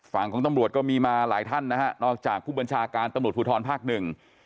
ฝั่งของตำรวจก็มีมาหลายท่านนะฮะนอกจากผู้บัญชาการตำรวจภูทรภาคหนึ่ง